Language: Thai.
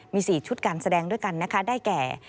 มี๔ชุดการแสดงด้วยกันนะคะได้แก่